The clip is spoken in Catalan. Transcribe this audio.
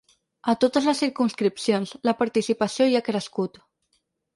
A totes les circumscripcions, la participació hi ha crescut.